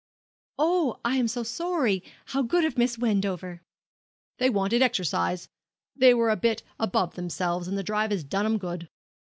'Oh, I am so sorry, how good of Miss Wendover!' 'They wanted exercise, 'um. They was a bit above themselves, and the drive has done 'em good.'